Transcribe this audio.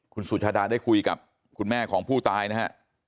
คุณสุชาดาได้คุยกับคุณแม่ของผู้ตายนะฮะ